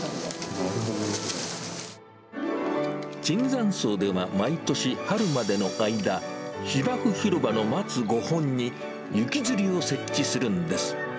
椿山荘では、毎年春までの間、芝生広場の松５本に、雪吊りを設置するんです。